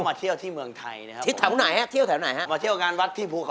พอมาเที่ยวที่เมืองไทยนะครับผม